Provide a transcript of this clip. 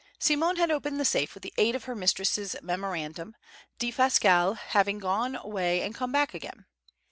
Simone had opened the safe with the aid of her mistress's memorandum, Defasquelle having gone away and come back again.